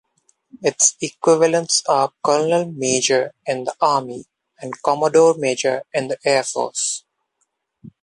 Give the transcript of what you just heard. Its equivalents are colonel-major in the Army and commodore-major in the Air Force.